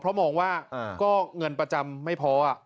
เพราะมองว่าก็เงินประจำไม่พอ